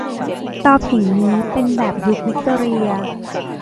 เตาผิงนี้เป็นแบบยุควิคตอเรีย